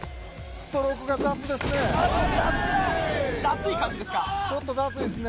ストロークが雑ですね。